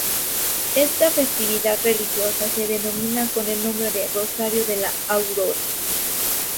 Esta festividad religiosa se denomina con el nombre de Rosario de la Aurora.